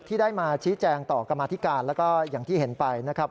ที่ได้มาชี้แจงต่อกรรมาธิการแล้วก็อย่างที่เห็นไปนะครับ